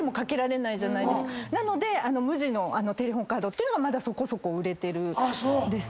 なので無地のテレホンカードっていうのがまだそこそこ。